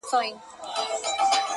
زه له الله جل جلاله څخه مرسته غواړم.